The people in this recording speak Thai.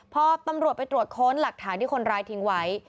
พอตำรวจไปตรวจค้นหลักฐานที่คนร้ายทิ้งไว้